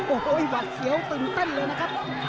โอ้โหหวัดเสียวตื่นเต้นเลยนะครับ